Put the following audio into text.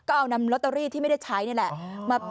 ก็เอานำลอตเตอรี่ที่ไม่ได้ใช้นี่แหละ